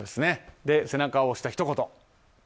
背中を押したひと言。